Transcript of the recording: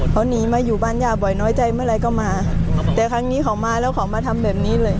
เขาหนีมาอยู่บ้านย่าบ่อยน้อยใจเมื่อไหร่ก็มาแต่ครั้งนี้เขามาแล้วเขามาทำแบบนี้เลย